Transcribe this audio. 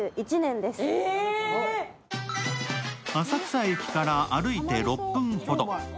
浅草駅から歩いて６分ほど。